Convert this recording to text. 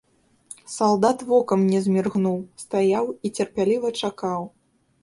Салдат вокам не зміргнуў, стаяў і цярпліва чакаў.